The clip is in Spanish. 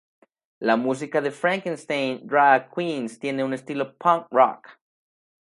La música de Frankenstein Drag Queens tiene un estilo Punk Rock.